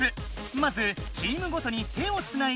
まずチームごとに手をつないでプレー。